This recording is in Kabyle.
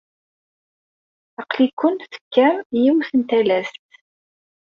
Aql-iken tekkam i yiwet n talast.